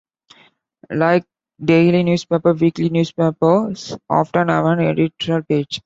Like daily newspapers, weekly newspapers often have an editorial page.